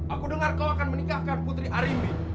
aku dengar kau akan menikahkan putri arimbi